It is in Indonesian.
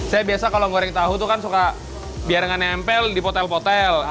saya biasanya kalau menggoreng tahu itu kan suka biar tidak menempel di potel potel